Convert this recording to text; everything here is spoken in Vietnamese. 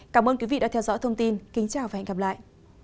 cảm ơn quý vị đã theo dõi thông tin kính chào và hẹn gặp lại